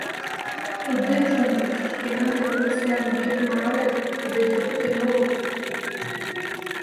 Туддеч ончыч шкенан революцийлан виетым арале, тудо эше пытен огыл.